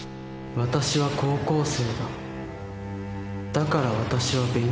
私は高校生。